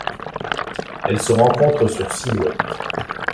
Elle se rencontre sur Silhouette.